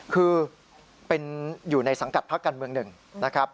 คืออยู่ในสังกัดพระกันเมืองหนึ่งนะครับ